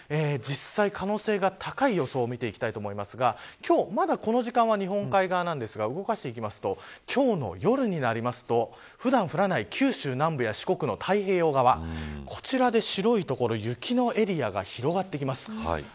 実際可能性が高い予想を見ていきたいと思いますが今日、まだこの時間は日本海側なんですが今日の夜になりますと普段降らない九州南部四国の太平洋側こちらで白い所雪のエリアが広がってきます。